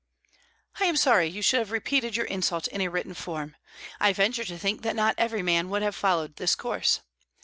"I am sorry you should have repeated your insult in a written form; I venture to think that not every man would have followed this course.